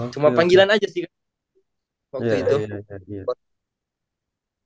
cuma panggilan aja sih